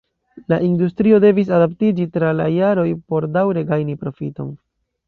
La industrio devis adaptiĝi tra la jaroj por daŭre gajni profiton.